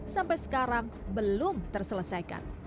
sampai sekarang belum terselesaikan